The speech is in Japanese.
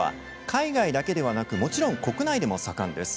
海外だけではなくもちろん国内でも盛んです。